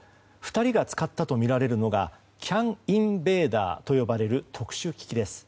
２人が使ったとみられるのがＣＡＮインベーダーと呼ばれる特殊機器です。